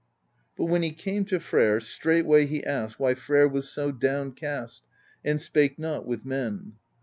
But when he came to Freyr, straightway he asked why Freyr was so downcast, and spake not with men.